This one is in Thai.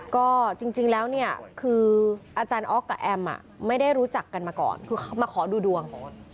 ก็จริงแล้วเนี่ยคืออาจารย์อ๊อกกับแอมไม่ได้รู้จักกันมาก่อนคือมาขอดูดวง